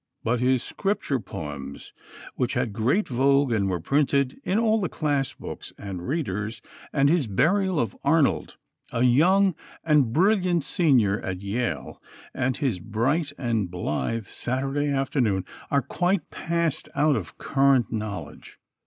But his Scripture poems, which had great vogue and were printed in all the "classbooks" and "readers," and his "Burial of Arnold," a young and brilliant Senior at Yale, and his bright and blithe "Saturday Afternoon," are quite passed out of current knowledge.